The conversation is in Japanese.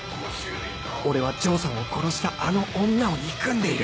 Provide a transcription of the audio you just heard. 俺は丈さんを殺したあの女を憎んでいる